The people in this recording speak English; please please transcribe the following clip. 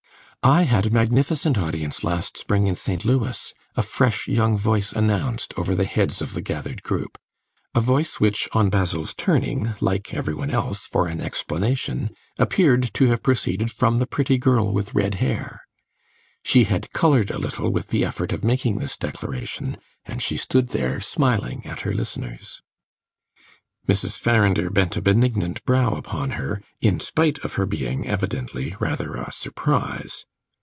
"I had a magnificent audience last spring in St. Louis," a fresh young voice announced, over the heads of the gathered group a voice which, on Basil's turning, like every one else, for an explanation, appeared to have proceeded from the pretty girl with red hair. She had coloured a little with the effort of making this declaration, and she stood there smiling at her listeners. Mrs. Farrinder bent a benignant brow upon her, in spite of her being, evidently, rather a surprise.